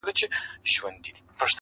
ترور دوهمه مور ده.